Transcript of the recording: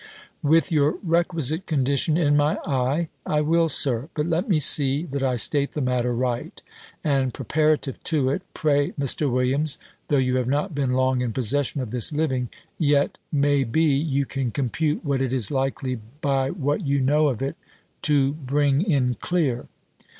"With your requisite condition in my eye, I will, Sir. But let me see that I state the matter right. And, preparative to it, pray, Mr. Williams, though you have not been long in possession of this living, yet, may be, you can compute what it is likely, by what you know of it, to bring in clear?"